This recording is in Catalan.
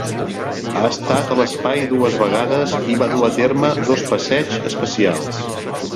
Ha estat a l'espai dues vegades i va dur a terme dos passeigs espacials.